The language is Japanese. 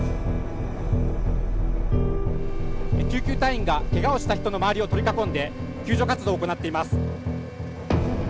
救急隊員がけがをした人の周りを取り囲んで救助活動を行っています。